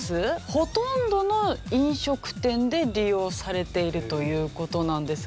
ほとんどの飲食店で利用されているという事なんですが。